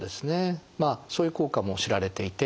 まあそういう効果も知られていて。